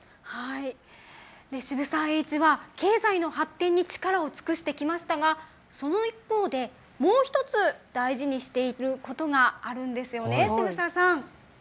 渋沢栄一は経済の発展に力を尽くしてきましたがその一方でもう１つ、大事にしていることがあるんですよね、渋沢さん。